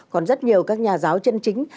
còn rất nhiều các nhà giáo chân chính